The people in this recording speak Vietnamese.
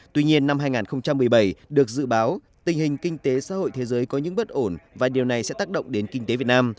tuy nhiên năm hai nghìn một mươi bảy được dự báo tình hình kinh tế xã hội thế giới có những bất ổn và điều này sẽ tác động đến kinh tế việt nam